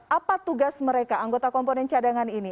apa tugas mereka anggota komponen cadangan ini